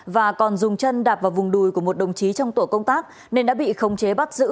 và còn dùng chân đạp vào vùng đùi của một đồng chí trong tổ công tác nên đã bị khống chế bắt giữ